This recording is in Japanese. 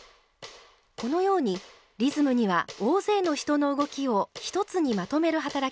このようにリズムには大勢の人の動きを一つにまとめる働きがあります。